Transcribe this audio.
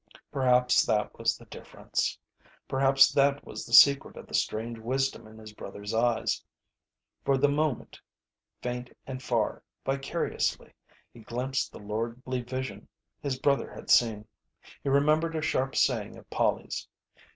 Perhaps that was the difference. Perhaps that was the secret of the strange wisdom in his brother's eyes. For the moment, faint and far, vicariously, he glimpsed the lordly vision his brother had seen. He remembered a sharp saying of Polly's.